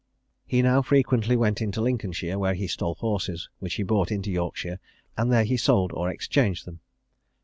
He now frequently went into Lincolnshire, where he stole horses, which he brought into Yorkshire, and there he sold or exchanged them.